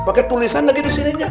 pakai tulisan lagi di sininya